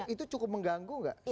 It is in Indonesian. itu cukup mengganggu nggak